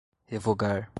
revogar